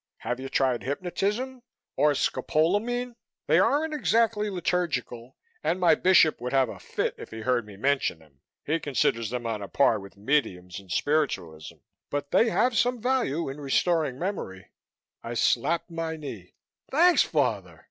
Have you tried hypnotism? Or scopolamine? They aren't exactly liturgical and my Bishop would have a fit if he heard me mention them he considers them on a par with mediums and spiritualism but they have some value in restoring memory." I slapped my knee. "Thanks, Father!"